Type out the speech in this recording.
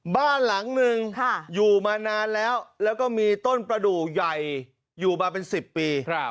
บ้านหลังหนึ่งอยู่มานานแล้วแล้วก็มีต้นประดูกใหญ่อยู่มาเป็น๑๐ปี